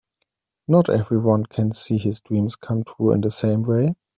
Not everyone can see his dreams come true in the same way.